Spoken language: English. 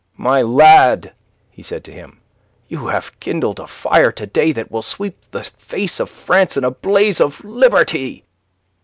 "My lad," he said to him, "you have kindled a fire to day that will sweep the face of France in a blaze of liberty."